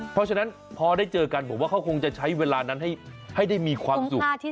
เพราะฉะนั้นพอได้เจอกันผมว่าเขาคงจะใช้เวลานั้นให้ได้มีความสุข